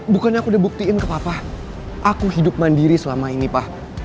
bukannya aku udah buktiin ke papa aku hidup mandiri selama ini pak